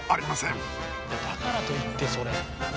いやだからといってそれ。